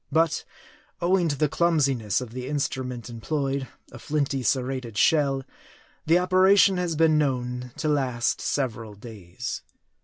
But owing to the clumsiness of the instrument employed a flinty, ser rated shell the operation has been known to last several days.